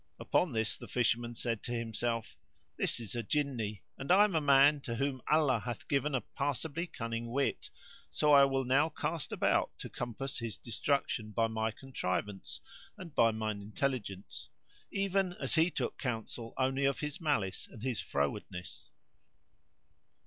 Upon this the Fisherman said to himself, "This is a Jinni; and I am a man to whom Allah hath given a passably cunning wit, so I will now cast about to compass his destruction by my contrivance and by mine intelligence; even as he took counsel only of his malice and his frowardness."